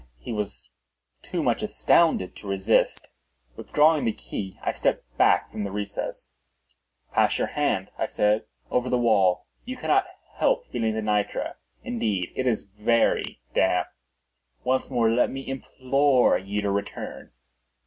He was too much astounded to resist. Withdrawing the key I stepped back from the recess. "Pass your hand," I said, "over the wall; you cannot help feeling the nitre. Indeed it is very damp. Once more let me implore you to return.